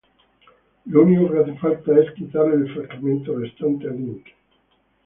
Lo único que hace falta es quitarle el fragmento restante a Link.